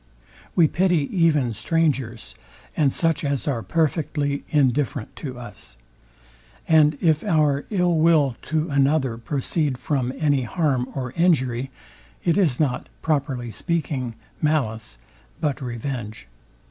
We pity even strangers, and such as are perfectly indifferent to us: And if our ill will to another proceed from any harm or injury, it is not, properly speaking, malice, but revenge.